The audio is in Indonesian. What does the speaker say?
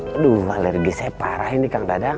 aduh valergi saya parah ini kang dadang